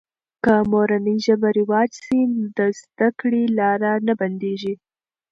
که مورنۍ ژبه رواج سي، د زده کړې لاره نه بندېږي.